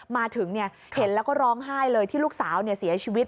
มาถึงเห็นแล้วก็ร้องไห้เลยที่ลูกสาวเสียชีวิต